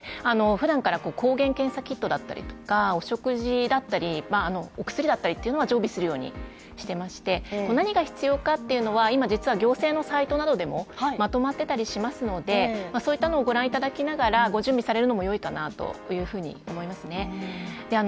私も仕事柄どうしても外出の機会もあったりしますので、ふだんから抗原検査キットだったりとか、お食事だったりお薬だったりというのは常備するようにしてまして何が必要かは、今実は行政のサイトなどでもまとまっていたりしますので、そういったのを御覧いただきながら、御準備されるのもいいかなと思いますね。